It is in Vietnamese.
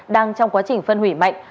đang trong quá trình phân hủy mạnh